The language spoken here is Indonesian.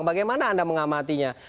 bagaimana anda mengamatinya